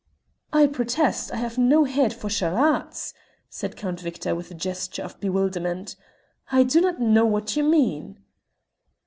"I protest I have no head for charades," said Count Victor, with a gesture of bewilderment. "I do not know what you mean."